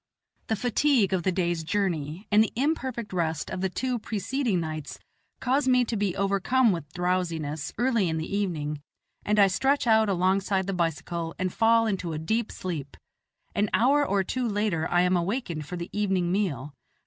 The fatigue of the day's journey, and the imperfect rest of the two preceding nights, cause me to be overcome with drowsiness, early in the evening, and I stretch oat alongside the bicycle and fall into a deep sleep. An hour or two later I am awakened for the evening meal.